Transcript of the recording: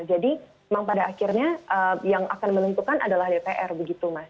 jadi memang pada akhirnya yang akan menentukan adalah dpr begitu mas